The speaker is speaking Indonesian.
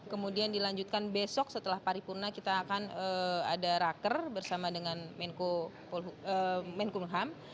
kemudian dilanjutkan besok setelah pari purna kita akan ada raker bersama dengan menko mulham